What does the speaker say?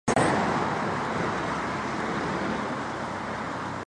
张福兴出生于竹南郡头分庄。